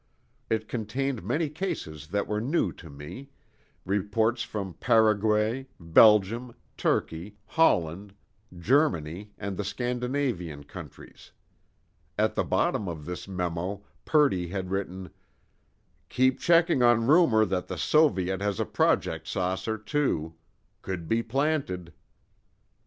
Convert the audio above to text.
It contained many cases that were new to me, reports from Paraguay, Belgium, Turkey, Holland, Germany, and the Scandinavian countries. At the bottom of this memo Purdy had written: "Keep checking on rumor that the Soviet has a Project Saucer, too. Could be planted."